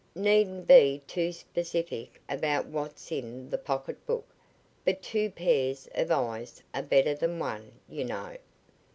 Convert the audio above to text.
Needn't be too specific about what's in the pocketbook. But two pairs of eyes are better than one, you know."